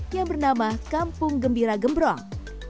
yang bernama kampung gembira gembrong